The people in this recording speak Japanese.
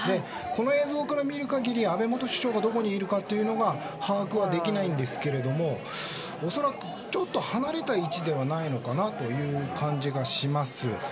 この映像から見る限り安倍元首相がどこにいるかというのは把握できないんですが恐らく、ちょっと離れた位置ではないのかなという感じがします。